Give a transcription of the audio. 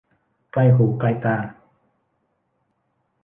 ไกลหูไกลตา